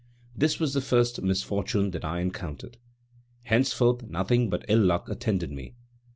This was the first misfortune that I encountered. Henceforth nothing but ill luck attended me.